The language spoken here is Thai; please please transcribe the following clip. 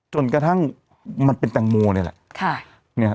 จนกระทั่งมันเป็นแตงโมนี่แหละ